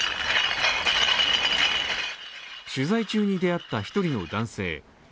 取材中に出会った一人の男性。